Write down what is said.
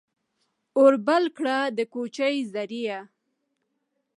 اور بل کړه ، د کوچي زریه !